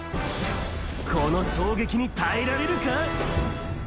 この衝撃に耐えられるか？